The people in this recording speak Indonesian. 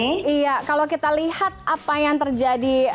iya kalau kita lihat apa yang terjadi